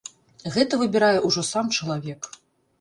Гэта выбірае ўжо сам чалавек.